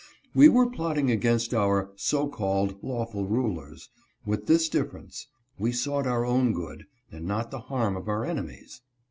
We were plotting against our (so called) lawful rulers, with this difference — we sought our own good, and not the harm of our enemies.